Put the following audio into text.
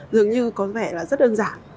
dường như có vẻ là rất đơn giản